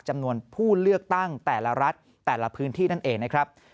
จำนวนผู้เลือกตั้งแต่ละรัฐแต่ละพื้นที่นั่นเองนะครับ